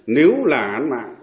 nếu là án mạng